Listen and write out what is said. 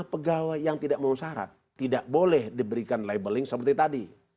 tujuh puluh lima pegawai yang tidak memusarat tidak boleh diberikan labeling seperti tadi